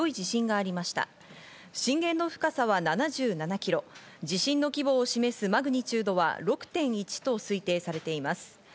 震源の深さは７７キロ、地震の規模を示すマグニチュードは６．１と推定されています。